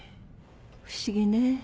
不思議ね。